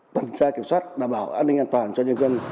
tuần tra kiểm soát đảm bảo an ninh an toàn cho nhân dân